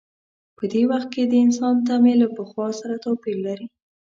په دې وخت کې د انسان تمې له پخوا سره توپیر لري.